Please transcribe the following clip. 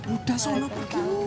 udah selalu pergi